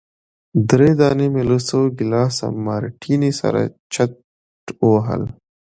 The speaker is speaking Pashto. درې دانې مي له څو ګیلاسه مارټیني سره چټ وهل.